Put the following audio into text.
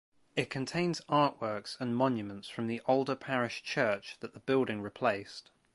It contains artworks and monuments from the older parish church that the building replaced.